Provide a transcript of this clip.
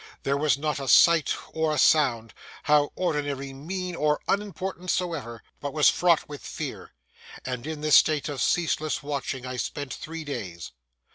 There was not a sight or a sound—how ordinary, mean, or unimportant soever—but was fraught with fear. And in this state of ceaseless watching I spent three days.